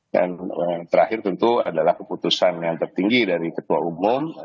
dan yang terakhir tentu adalah keputusan yang tertinggi dari ketua umum